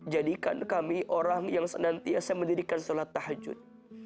jadikan kami orang yang senantiasa mendirikan sholat tahajud